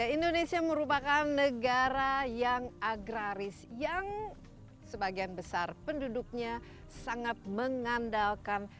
indonesia merupakan negara yang agraris yang sebagian besar penduduknya sangat mengandalkan